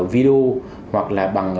video hoặc là bằng